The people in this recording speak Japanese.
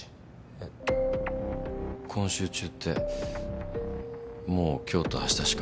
えっ今週中ってもう今日と明日しか。